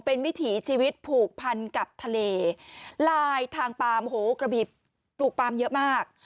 เป็นวิถีชีวิตผูกพันกับทะเลลายทางปาล์มโหกระบีบปลูกปลามเยอะมาก